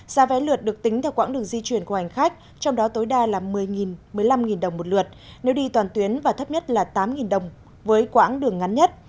giá vé lượt được tính theo quãng đường di chuyển của hành khách trong đó tối đa là một mươi một mươi năm đồng một lượt nếu đi toàn tuyến và thấp nhất là tám đồng với quãng đường ngắn nhất